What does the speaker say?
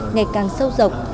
ngày càng sâu rộng